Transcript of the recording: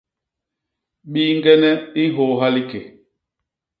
Biñgene i nhôôha liké.